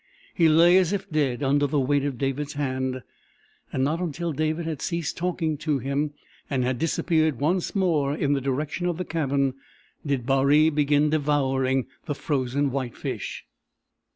He lay as if dead under the weight of David's hand. Not until David had ceased talking to him, and had disappeared once more in the direction of the cabin, did Baree begin devouring the frozen whitefish.